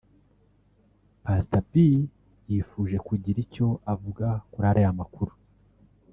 Pastor P yifuje kugira icyo avuga kuri aya makuru